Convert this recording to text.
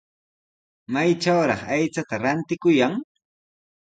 ¿Maytrawraq aychata rantikuyan?